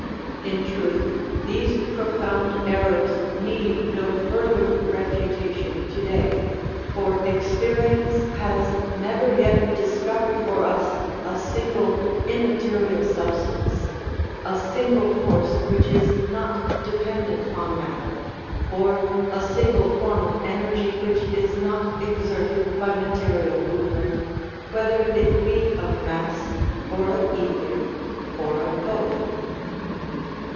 In truth, these profound errors need no further refutation to day, for experience has never yet discovered for us a single immaterial substance, a single force which is not dependent on matter, or a single form of energy which is not exerted by material movement, whether it be of mass, or of ether, or of both.